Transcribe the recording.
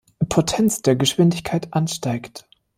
Potenz der Geschwindigkeit ansteigt.